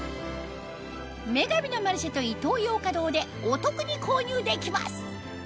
『女神のマルシェ』とイトーヨーカドーでお得に購入できます